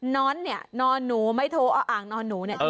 ้อนเนี่ยนอนหนูไม่โทรเอาอ่างนอนหนูเนี่ย